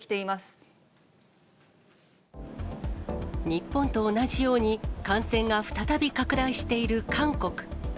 日本と同じように、感染が再び拡大している韓国。